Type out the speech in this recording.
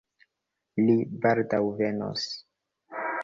Li baldaŭ venos.